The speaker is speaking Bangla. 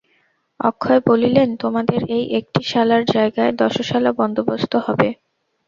অক্ষয় বলিলেন, তোমাদের এই একটি শালার জায়গায় দশশালা বন্দোবস্ত হবে?